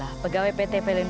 ia menemukan pelayanan ke jepang